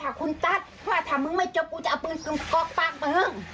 หนูก็บอกว่าจ๊อบถ้าคุณตัดถ้ามึงไม่จบกูจะเอาปืนกรอกปากเพิ่ง